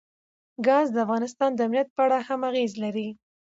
ګاز د افغانستان د امنیت په اړه هم اغېز لري.